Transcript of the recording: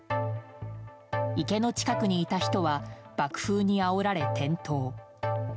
池の近くにいた人は爆風にあおられ転倒。